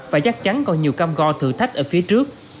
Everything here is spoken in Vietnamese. và chắc chắn còn nhiều cam go thử thách ở phía trước